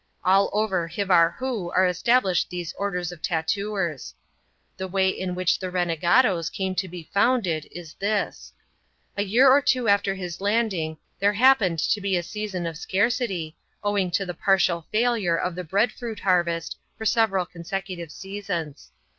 All over Hivarhoo are established these orders of «. The way in which the renegado's came to be founded A year or two after his landing there happened to be Q of scarcity, owing to the partial failure of the bread larvest for several consecutive seasons.